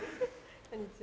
こんにちは。